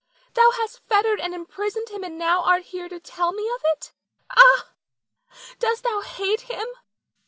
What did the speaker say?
Thou hast fettered and imprisoned him and now art here to tell me of it? Ah, dost thou hate him?